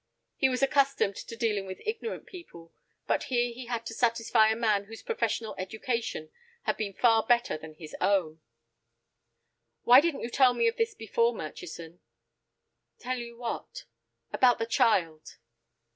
He was accustomed to dealing with ignorant people, but here he had to satisfy a man whose professional education had been far better than his own. "Why didn't you tell me of this before, Murchison?" "Tell you what?" "About the child."